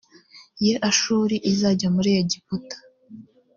ye ashuri izajya muri egiputa